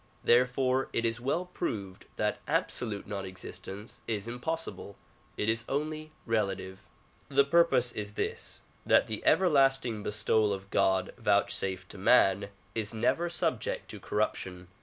Therefore it is well proved that absolute non existence is impossible ; it is only relative. The purpose is this; — that the everlasting bestowal of God vouchsafed to man is never subject to corruption.